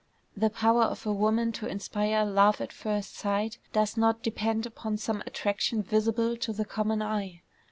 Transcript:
The power of a woman to inspire love at first sight does not depend upon some attraction visible to the common eye.